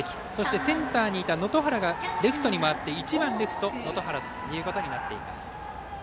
センターにいた能登原がレフトに回って１番レフト能登原となっています。